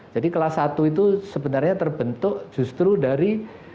jadi kelas satu itu sebenarnya terbentuk justru dari